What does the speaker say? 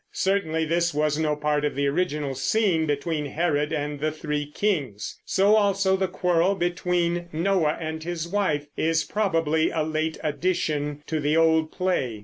Certainly this was no part of the original scene between Herod and the three kings. So also the quarrel between Noah and his wife is probably a late addition to an old play.